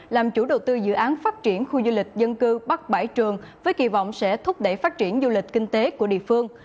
làm chủ đầu tư dự án phát triển khu du lịch dân cư bắc bãi trường với kỳ vọng sẽ thúc đẩy phát triển du lịch kinh tế của địa phương